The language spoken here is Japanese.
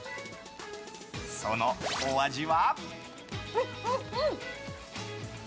そのお味は。